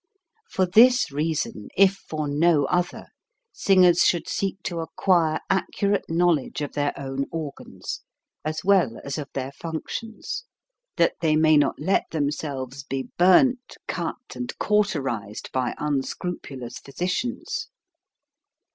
For this reason, if for no other, singers should seek to acquire accurate knowledge of their own organs, as well as of their func tions, that they may not let themselves be 46 HOW TO SING burnt, cut, and cauterized by unscrupulous physicians.